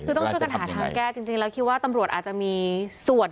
คือต้องช่วยกันหาทางแก้จริงแล้วคิดว่าตำรวจอาจจะมีส่วน